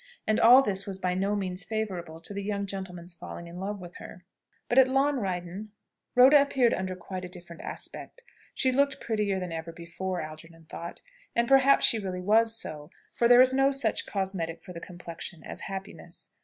And all this was by no means favourable to the young gentleman's falling in love with her. But at Llanryddan, Rhoda appeared under quite a different aspect. She looked prettier than ever before, Algernon thought. And perhaps she really was so; for there is no such cosmetic for the complexion as happiness.